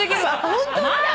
ホントだ！